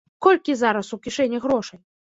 Колькі зараз у кішэні грошай?